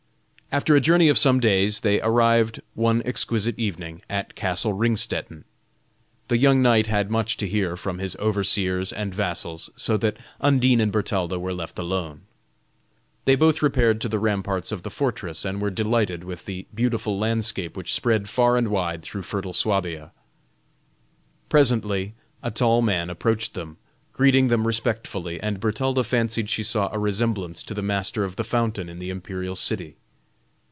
After a journey of some days, they arrived one exquisite evening, at castle Ringstetten. The young knight had much to hear from his overseers and vassals, so that Undine and Bertalda were left alone. They both repaired to the ramparts of the fortress, and were delighted with the beautiful landscape which spread far and wide through fertile Swabia. Presently a tall man approached them, greeting them respectfully, and Bertalda fancied she saw a resemblance to the master of the fountain in the imperial city.